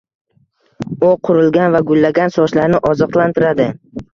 U qurigan va gullagan sochlarni oziqlantiradi.